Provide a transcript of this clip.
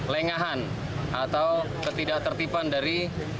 lengahan atau ketidak tertipan dari